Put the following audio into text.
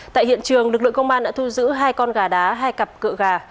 tại hiện trường lực lượng công an đã thu giữ hai con gà đá hai cặp cựa gà